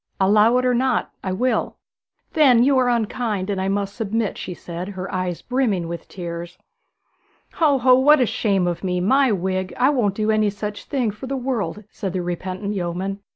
'Allow it or not, I will.' 'Then you are unkind, and I must submit,' she said, her eyes brimming with tears. 'Ho, ho; what a shame of me! My wig, I won't do any such thing for the world,' said the repentant yeoman.